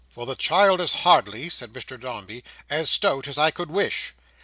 "For the child is hardly," said Mr Dombey, "as stout as I could wish."